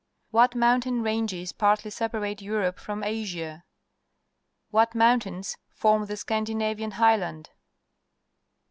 What mountain ranges partly separate Europe from Asia ? What mountains form the Scandinavian Highland